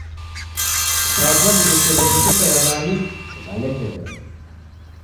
W'aja w'ighesherogje kukaia w'ahalifu w'alekerelwa.